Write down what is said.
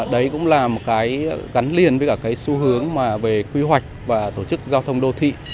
đấy cũng là một cái gắn liền với cả cái xu hướng mà về quy hoạch và tổ chức giao thông đô thị